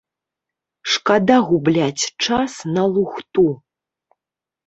Шкада губляць час на лухту.